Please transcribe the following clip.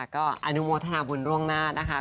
ก็อนุโมทนาบุญล่วงหน้านะคะ